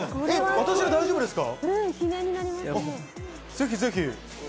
私で大丈夫ですか？